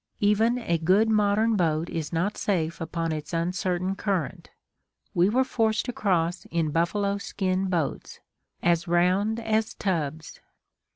Even a good modern boat is not safe upon its uncertain current. We were forced to cross in buffalo skin boats as round as tubs!